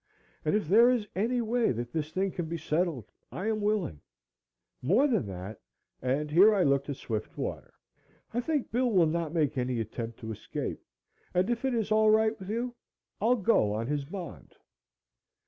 "And if there is any way that this thing can be settled I am willing. More than that," and here I looked at Swiftwater, "I think Bill will not make any attempt to escape, and if it is all right with you, I'll go on his bond."